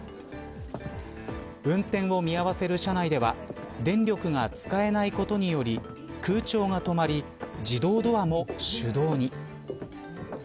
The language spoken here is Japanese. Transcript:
運転を見合わせる車内では電力が使えないことにより空調が止まり自動ドアも手動に。